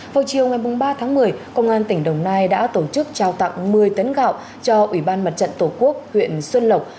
vào chiều ngày ba tháng một mươi công an tỉnh đồng nai đã tổ chức trao tặng một mươi tấn gạo cho ủy ban mặt trận tổ quốc huyện xuân lộc